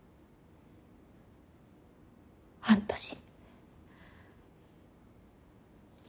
半年。